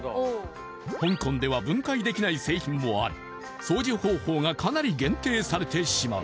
香港では分解できない製品もあり掃除方法がかなり限定されてしまう。